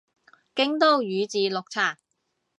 京都宇治綠茶